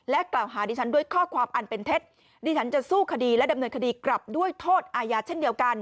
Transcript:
กล่าวหาดิฉันด้วยข้อความอันเป็นเท็จดิฉันจะสู้คดีและดำเนินคดีกลับด้วยโทษอาญาเช่นเดียวกัน